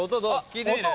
聞いてみる？